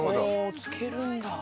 漬けるんだ。